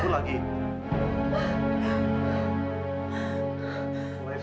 pa memang viper stonesi